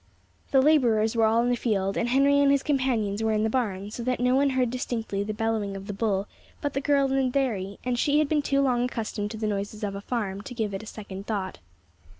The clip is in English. The labourers were all in the field, and Henry and his companions were in the barn, so that no one heard distinctly the bellowing of the bull but the girl in the dairy, and she had been too long accustomed to the noises of a farm to give it a second thought.